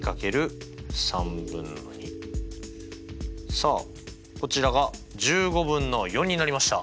さあこちらが１５分の４になりました。